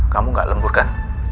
kamu nggak lembur kan